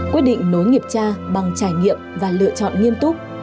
quyết định nối nghiệp tra bằng trải nghiệm và lựa chọn nghiêm túc